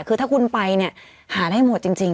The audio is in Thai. คือถ้าคุณไปเนี่ยหาได้หมดจริง